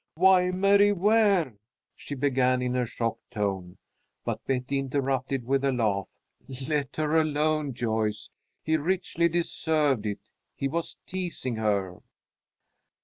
"Why, Mary Ware!" she began, in a shocked tone, but Betty interrupted with a laugh. "Let her alone, Joyce; he richly deserved it. He was teasing her."